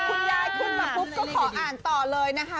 คุณยายขึ้นมาปุ๊บก็ขออ่านต่อเลยนะคะ